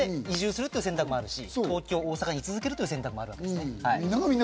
移住する選択もあるし、東京、大阪にい続ける選択もあるわけです。